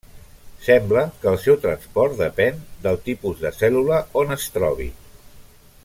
Sembla que el seu transport depèn del tipus de cèl·lula on es trobi.